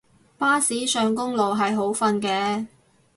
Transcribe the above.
巴士上公路係好瞓嘅